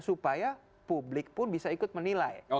supaya publik pun bisa ikut menilai